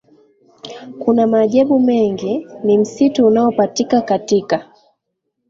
kuna maajabu mengi ni msitu unaopatika katika